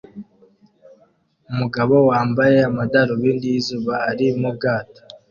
Umugabo wambaye amadarubindi yizuba ari mubwato